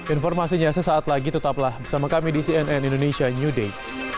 informasinya sesaat lagi tetaplah bersama kami di cnn indonesia new day